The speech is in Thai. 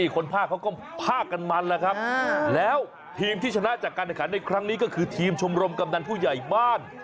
คนภาคเขาก็ภาคกันมันแล้วครับแล้วทีมที่ชนะจากการแข่งขันในครั้งนี้ก็คือทีมชมรมกำนันผู้ใหญ่บ้าน